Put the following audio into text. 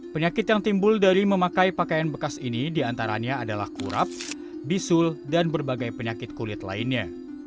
penyakit yang timbul dari memakai pakaian bekas ini diantaranya adalah kurap bisul dan berbagai penyakit kulit lainnya